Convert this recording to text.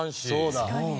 確かに。